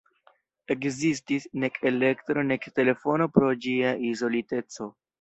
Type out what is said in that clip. Ekzistis nek elektro nek telefono pro ĝia izoliteco.